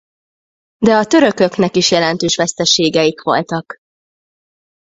De a törököknek is jelentős veszteségeik voltak.